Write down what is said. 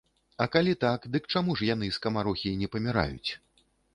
А калі так, дык чаму ж яны, скамарохі, не паміраюць?